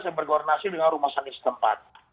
dan berkoordinasi dengan rumah sakit setempat